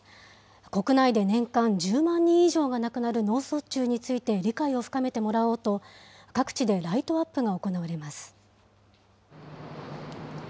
国内で年間１０万人以上が亡くなる脳卒中について理解を深めてもらおうと、各地でライトアップが行われます。